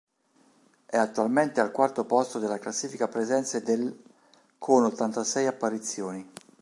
È attualmente al quarto posto della classifica presenze dell', con ottantasei apparizioni.